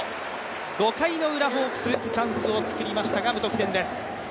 ５回のウラ、ホークスチャンスをつかみましたが無得点です。